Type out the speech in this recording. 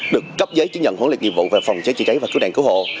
được cấp giấy chứng nhận huấn luyện nghiệp vụ về phòng cháy chữa cháy và cứu nạn cứu hộ